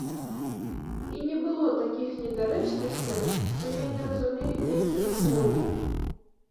І не было такіх недарэчнасцяў, што я не разумею нейкіх словаў.